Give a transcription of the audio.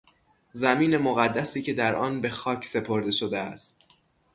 زمین مقدسی که در آن به خاک سپرده شده است